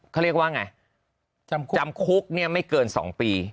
เขาเรียกว่าไงจำคุกจำคุกเนี่ยไม่เกินสองปี